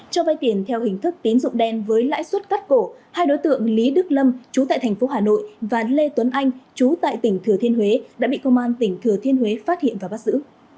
trong vai tiền theo hình thức tín dụng đen với lãi suất cắt cổ hai đối tượng lý đức lâm chú tại tp hà nội và lê tuấn anh chú tại tp thừa thiên huế đã bị công an tp thừa thiên huế phát hiện và bắt giữ